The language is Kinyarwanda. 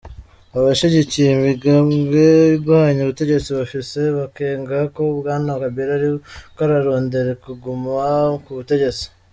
Abashigikiye imigambwe igwanya ubutegetsi bafise amakenga ko Bwana Kabila ariko ararondera kuguma ku butegetsi.